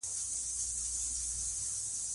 سیاسي جوړجاړی شخړې راکموي